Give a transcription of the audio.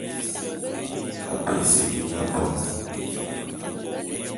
Abé ese mi nga bo.